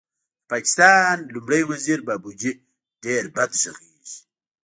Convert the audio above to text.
د پاکستان لومړی وزیر بابوجي ډېر بد غږېږي